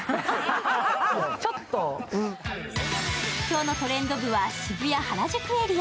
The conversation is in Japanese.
今日の「トレンド部」は渋谷・原宿エリア。